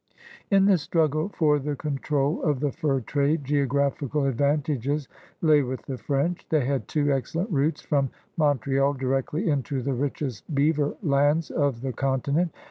In the struggle for the control of the fur trade geographical advantages lay with the French. They had two excellent routes from Montreal directly into the richest beaver lands of the conti nent.